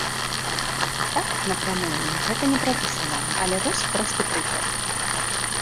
Так, на прамую гэта не прапісана, але вось просты прыклад.